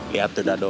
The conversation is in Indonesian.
lihat tuh dadu